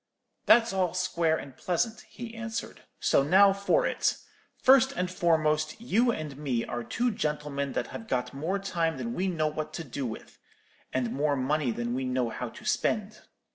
"'That's all square and pleasant,' he answered; 'so now for it. First and foremost, you and me are two gentlemen that have got more time than we know what to do with, and more money than we know how to spend.